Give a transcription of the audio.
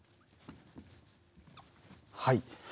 はい。